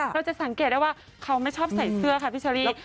เราจะสังเกตได้ว่าเขาไม่ชอบใส่เสื้อค่ะพี่เชอรี่